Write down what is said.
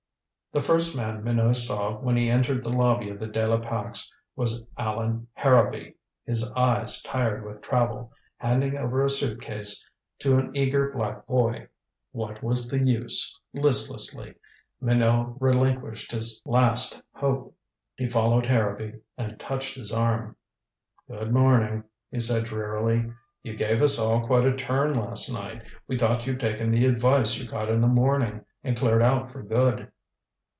The first man Minot saw when he entered the lobby of the De la Pax was Allan Harrowby, his eyes tired with travel, handing over a suit case to an eager black boy. What was the use? Listlessly Minot relinquished his last hope. He followed Harrowby, and touched his arm. "Good morning," he said drearily. "You gave us all quite a turn last night. We thought you'd taken the advice you got in the morning, and cleared out for good."